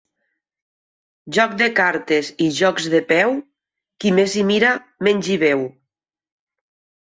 Joc de cartes i jocs de peu, qui més hi mira menys hi veu.